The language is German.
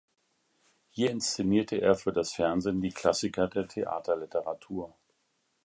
Hier inszenierte er für das Fernsehen die Klassiker der Theaterliteratur.